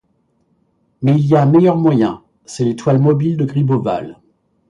Mais il y a un meilleur moyen, c'est l'étoile mobile de Gribeauval.